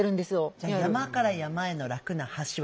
じゃあ山から山への楽な橋はないんだ。